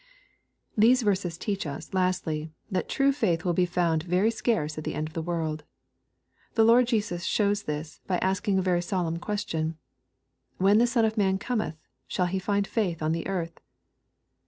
These verses teach us, lastly, th^,t true faith ivill he found very scarce cUjthe end of the world. The Lord Jesus shows this, by asking a very solemn question, " When the Son of Man cometh, shall He find faith on the earth